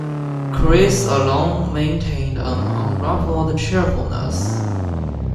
Chris alone maintained an unruffled cheerfulness.